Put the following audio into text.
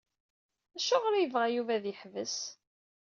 Acuɣer i yebɣa Yuba ad yeḥbes?